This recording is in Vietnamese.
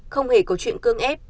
không hề có chuyện cương ép